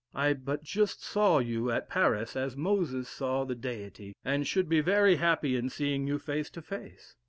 I but just saw you at Paris as Moses saw the Deity, and should be very happy in seeing you face to face.